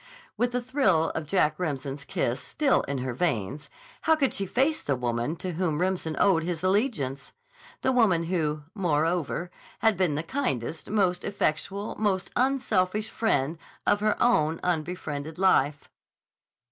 With the thrill of Jack Remsen's kiss still in her veins, how could she face the woman to whom Remsen owed his allegiance, the woman who, moreover, had been the kindest, most effectual, most unselfish friend of her own unbefriended life?